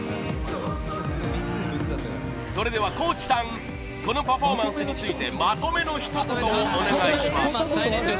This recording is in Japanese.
それでは、高地さんこのパフォーマンスについてまとめのひと言をお願いします